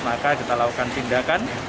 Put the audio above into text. maka kita lakukan tindakan